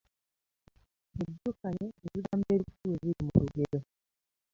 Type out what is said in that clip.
Mwejjukanye ebigambo ebikulu ebiri mu lugero.